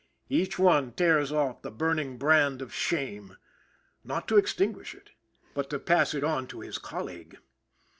Each one tears off the burning brand of shame, not to extinguish it, but to pass it on to his colleague.